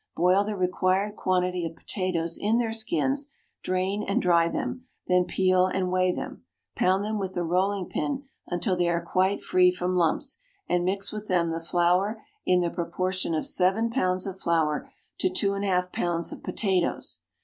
Boil the required quantity of potatoes in their skins, drain and dry them, then peel and weigh them. Pound them with the rolling pin until they are quite free from lumps, and mix with them the flour in the proportion of seven pounds of flour to two and a half pounds of potatoes.